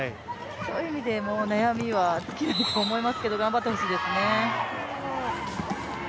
そういう意味でも悩みは尽きないと思いますけど頑張ってほしいですよね。